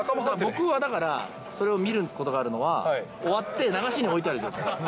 僕はだからそれを見ることがあるのは、終わって流しに置いてある状況。